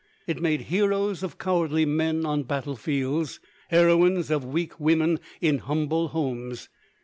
It made heroes of cowardly men on battle fields; heroines of weak women in humble homes.